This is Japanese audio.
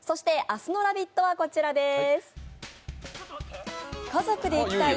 明日の「ラヴィット！」はしこちらです。